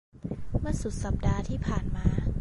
เมื่อสุดสัปดาห์ที่ผ่านมา